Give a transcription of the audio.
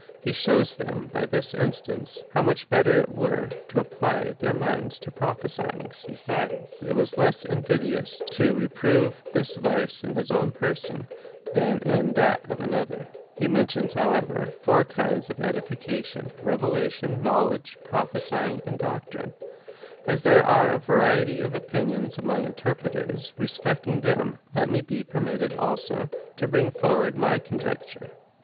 He shows them by this instance, how much better it were to apply their minds to prophesyings. Besides, it was less invidious to reprove this vice in his own person, than in that of an other. He mentions, however, four different kinds of edification — revelation, knowledge, prophesyiiig, and doctrine. As there are a variety of opinions among interpreters respecting them, let me be permitted, also, to bring forward my con jecture.